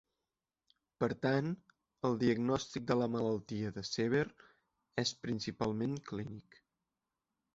Per tant, el diagnòstic de la malaltia de Sever és principalment clínic.